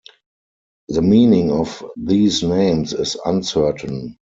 The meaning of these names is uncertain.